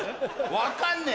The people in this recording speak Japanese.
分かんねえ！